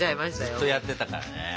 ずっとやってたからね。